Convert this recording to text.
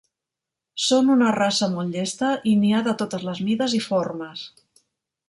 Són una raça molt llesta i n'hi ha de totes les mides i formes.